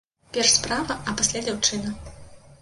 Перш справа, а пасля дзяўчына.